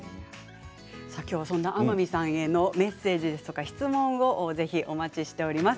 そんな天海さんへのメッセージや質問をぜひお待ちしております。